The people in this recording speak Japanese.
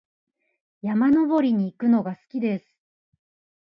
山登りに行くのが好きです。